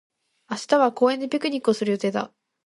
明日は公園でピクニックをする予定だ。